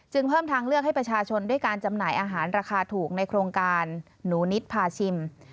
เพิ่มทางเลือกให้ประชาชนด้วยการจำหน่ายอาหารราคาถูกในโครงการหนูนิดพาชิม